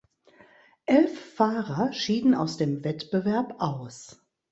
Elf Fahrer schieden aus dem Wettbewerb aus.